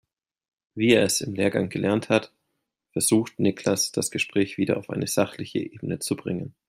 Wie er es im Lehrgang gelernt hat, versucht Niklas das Gespräch wieder auf eine sachliche Ebene zu bringen.